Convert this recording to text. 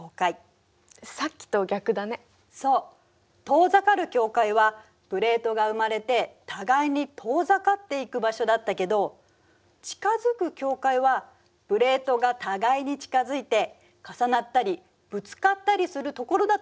「遠ざかる境界」はプレートが生まれて互いに遠ざかっていく場所だったけど「近づく境界」はプレートが互いに近づいて重なったりぶつかったりするところだと考えられているの。